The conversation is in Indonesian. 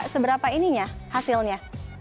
seberapa ininya hasilnya